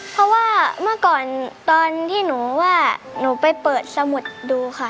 เพราะว่าเมื่อก่อนตอนที่หนูว่าหนูไปเปิดสมุดดูค่ะ